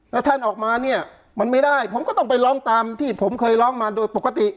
แล้วท่านออกมาเนี่ยมันไม่ได้ผมก็ต้องไปร้องตามที่ผมเคยร้องมาโดยปกติ